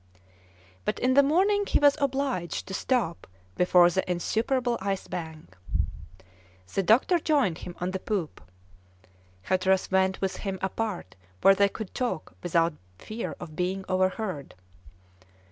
But in the morning he was obliged to stop before the insuperable ice bank. The doctor joined him on the poop. Hatteras went with him apart where they could talk without fear of being overheard.